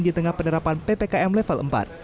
di tengah penerapan ppkm level empat